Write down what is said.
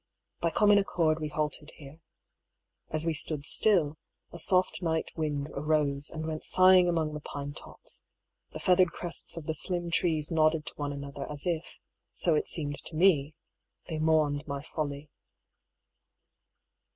By common accord we halted here. As we stood still, a soft night wind arose and went sighing among the pine tops ; the feathered crests of the slim trees nodded to one another as if, so it seemed to me, they mourned my folly.